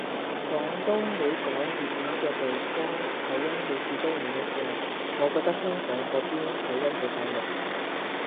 廣東每講粵語嘅地方口音好似都唔一樣，我覺得香港嗰邊口音比較濃